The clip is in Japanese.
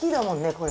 これ。